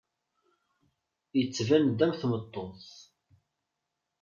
Yettban-d am tmeṭṭut.